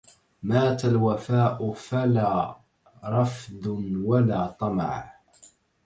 مات الوفاء فلا رفد ولا طمع